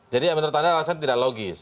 jadi menurut anda alasan tidak logis